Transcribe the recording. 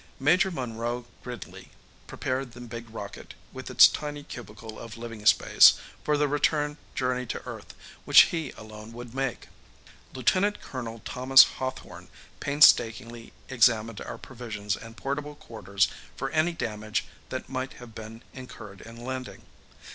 Major Monroe Gridley prepared the big rocket, with its tiny cubicle of living space, for the return journey to Earth which he alone would make. Lieutenant colonel Thomas Hawthorne painstakingly examined our provisions and portable quarters for any damage that might have been incurred in landing.